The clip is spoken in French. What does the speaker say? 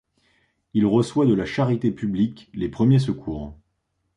Il reçoit de la charité publique les premiers secours.